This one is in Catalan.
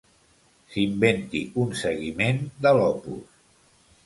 S'inventi un seguiment de l'Opus.